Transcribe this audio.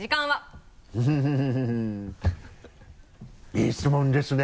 いい質問ですね。